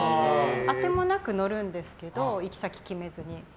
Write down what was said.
あてもなく乗るんですけど行き先決めずに。